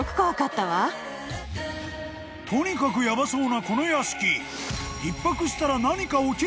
［とにかくヤバそうなこの屋敷］